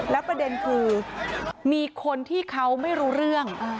แล้วประเด็นคือมีคนที่เขาไม่รู้เรื่อง